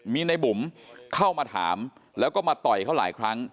มีในบุ๋มเข้ามาถามแล้วก็มาต่อยเขาหลายครั้ง